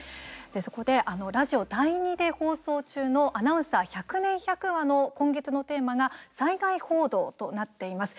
そこで、ラジオ第２で放送中の「アナウンサー百年百話」の今月のテーマが「災害報道」となっています。